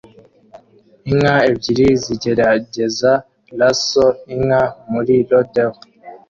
Inka ebyiri zigerageza lasso inka muri rodeo